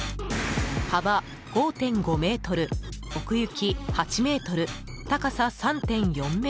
幅５．５ｍ、奥行き８ｍ高さ３．４ｍ。